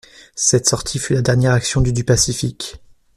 Cette sortie fut la dernière action du du Pacifique.